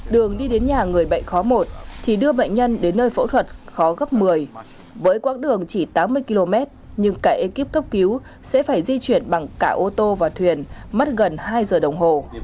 đường đi đến nhà người bệnh khó một thì đưa bệnh nhân đến nơi phẫu thuật khó gấp một mươi với quãng đường chỉ tám mươi km nhưng cả ekip cấp cứu sẽ phải di chuyển bằng cả ô tô và thuyền mất gần hai giờ đồng hồ